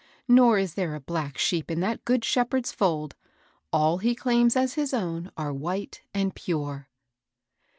Nor is there a black sheep in that Good Shepherd's fold. All he claims as his own are white and pure."